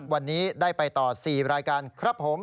วันนี้ได้ไปต่อ๔รายการครับผม